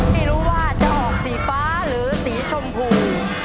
ไม่รู้ว่าจะออกสีฟ้าหรือสีชมพู